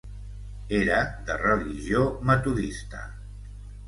Era de religió metodista.